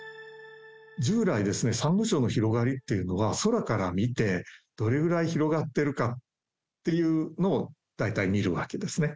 従来、サンゴ礁の広がりっていうのは、空から見て、どれぐらい広がってるかっていうのを大体見るわけですね。